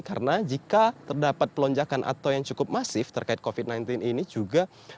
karena jika terdapat pelonjakan atau yang cukup masif terkait covid sembilan belas ini juga